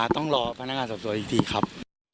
ต้องรอพนักงานสอบสวนอีกทีครับ